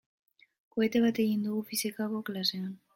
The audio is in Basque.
Kohete bat egin dugu fisikako klasean.